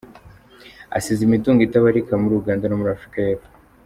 Asize imitungo itabarika muri Uganda no muri Afurika y’Epfo.